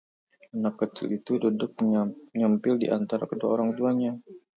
anak kecil itu duduk menyempil di antara kedua orang tuanya